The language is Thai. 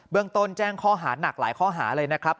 ต้นแจ้งข้อหาหนักหลายข้อหาเลยนะครับ